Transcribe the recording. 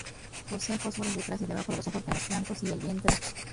Posee fotóforos detrás y debajo de los ojos, en los flancos y el vientre.